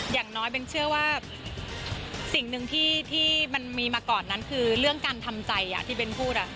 อย่างน้อยเบ้นเชื่อว่าสิ่งหนึ่งที่มันมีมาก่อนนั้นคือเรื่องการทำใจที่เบ้นพูด